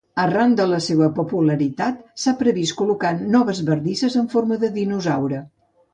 Arran de la seua popularitat, s'ha previst col·locar noves bardisses amb forma de dinosaure.